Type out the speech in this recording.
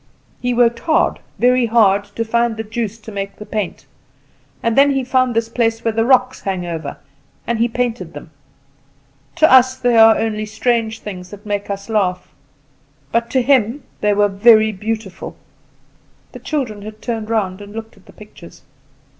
He worked hard, very hard, to find the juice to make the paint; and then he found this place where the rocks hang over, and he painted them. To us they are only strange things, that make us laugh; but to him they were very beautiful." The children had turned round and looked at the pictures.